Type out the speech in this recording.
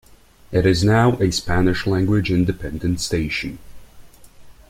It is now a Spanish-language independent station.